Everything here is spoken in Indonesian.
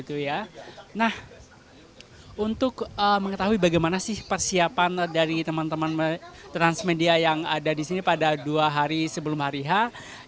untuk mengetahui bagaimana persiapan dari teman teman transmedia yang ada disini pada dua hari sebelum hari ini